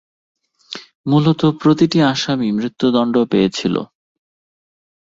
মূলত, প্রতিটি আসামি মৃত্যুদণ্ড পেয়েছিল।